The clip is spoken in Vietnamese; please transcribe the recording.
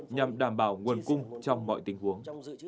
nhằm đảm bảo nguồn cung trong mọi tình huống